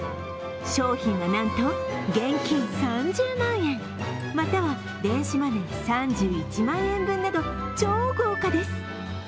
商品はなんと現金３０万円または電子マネー３１万円分など、超豪華です。